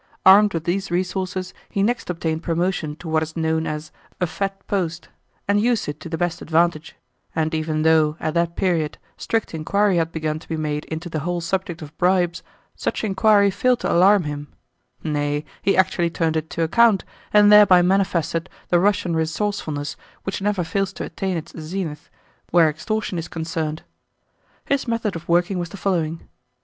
Armed with these resources, he next obtained promotion to what is known as "a fat post," and used it to the best advantage; and even though, at that period, strict inquiry had begun to be made into the whole subject of bribes, such inquiry failed to alarm him nay, he actually turned it to account and thereby manifested the Russian resourcefulness which never fails to attain its zenith where extortion is concerned. His method of working was the following.